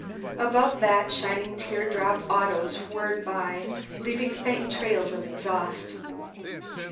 Above that, shining teardrop autos whirred by, leaving faint trails of exhaust.